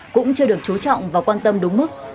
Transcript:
cũng chưa được chú trọng và quan tâm đúng mức